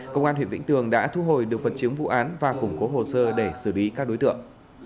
công an huyện vĩnh tường đã thu hồi được vật chứng vụ án và củng cố hồ sơ để xử lý các đối tượng